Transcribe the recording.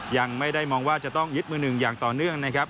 ยังไม่ได้มองว่าจะต้องยึดมือหนึ่งอย่างต่อเนื่องนะครับ